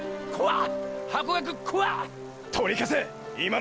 っ！！